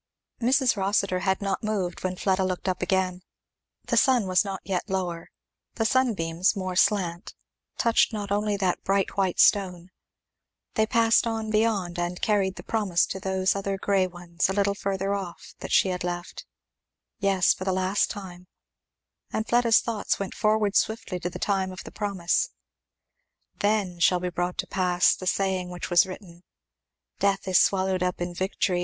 Mrs. Rossitur had not moved when Fleda looked up again. The sun was yet lower; the sunbeams, more slant, touched not only that bright white stone they passed on beyond, and carried the promise to those other grey ones, a little further off; that she had left yes, for the last time; and Fleda's thoughts went forward swiftly to the time of the promise. "Then shall be brought to pass the saying which is written, Death is swallowed up in victory.